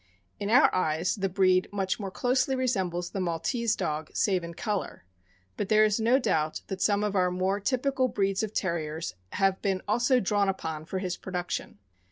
In our eyes the breed much more closely resembles the Maltese dog, save in color; but there is no doubt that some of our more typical breeds of 'Terriers have been also drawn upon for his production.